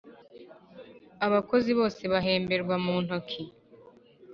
abakozi bose bahemberwa mu ntoki.